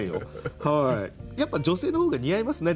やっぱ女性の方が似合いますね